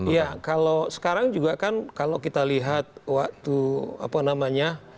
ya kalau sekarang juga kan kalau kita lihat waktu apa namanya